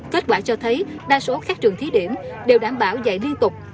kết quả cho thấy đa số các trường thí điểm đều đảm bảo dạy liên tục